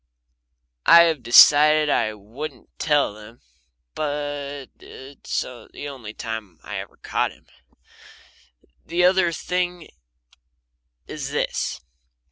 I have decided I won't tell them. It's the only time I ever caught him. The other thing is this.